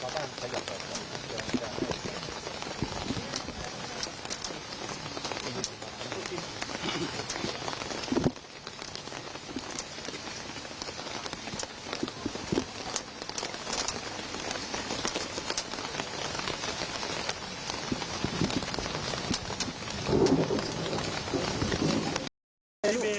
ครับครับครับ